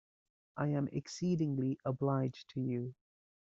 I am exceedingly obliged to you.